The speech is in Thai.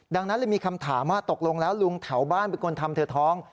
ดังนั้นเลยมีคำถามว่าตกลงแล้วลุงแถวบ้านเป็นคนทำเธอท้อง